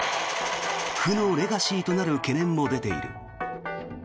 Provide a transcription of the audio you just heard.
負のレガシーとなる懸念も出ている。